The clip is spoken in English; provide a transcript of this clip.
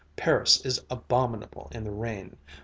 Paris is abominable in the rain.